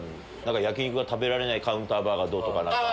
焼き肉が食べられないカウンターバーがどうとか。